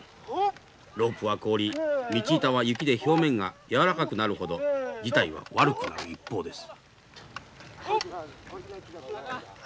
ロープは凍り道板は雪で表面が柔らかくなるほど事態は悪くなる一方です。